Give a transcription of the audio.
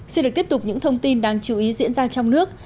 xin được tiếp tục những thông tin đáng chú ý diễn ra trong nước